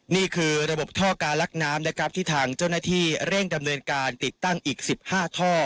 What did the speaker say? นี่คือระบบท่อการลักน้ำนะครับที่ทางเจ้าหน้าที่เร่งดำเนินการติดตั้งอีก๑๕ท่อ